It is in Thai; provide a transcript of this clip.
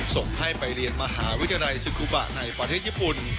ส่งให้ไปเรียนมหาวิทยาลัยสุคุบะในประเทศญี่ปุ่น